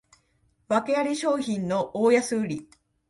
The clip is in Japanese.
わけあり商品の大安売り